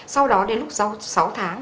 sau đó đến lúc sáu tháng